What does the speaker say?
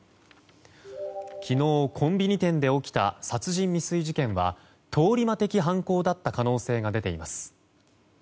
昨日、コンビニ店で起きた殺人未遂事件は通り魔的犯行だった可能性が出ています。